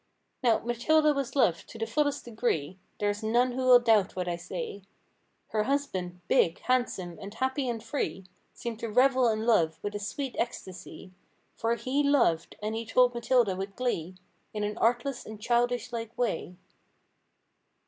Now, Maltida was loved to the fullest degree, (There's none who will doubt what I say) Her husband, big, handsome and, happy and free. Seemed to revel in love, with a sweet ecstasy; For he loved, and he told his Matilda with glee. In an artless and childish like way.